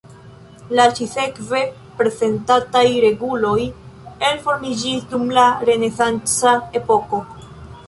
La ĉi-sekve prezentataj reguloj elformiĝis dum la renesanca epoko.